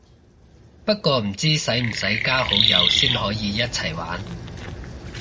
不過唔知使唔使加好友先可以一齊玩